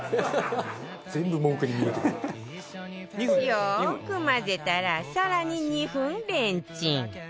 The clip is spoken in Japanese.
よく混ぜたら更に２分レンチン